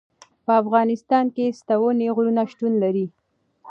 په افغانستان کې ستوني غرونه شتون لري.